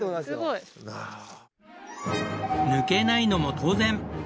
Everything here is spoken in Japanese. すごい。抜けないのも当然！